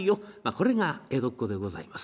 これが江戸っ子でございます。